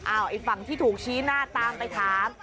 ไอ้ฝั่งที่ถูกชี้หน้าตามไปถาม